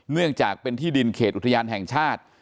เนื่องจากเป็นที่ดินเขตอุทยานแห่งชาติ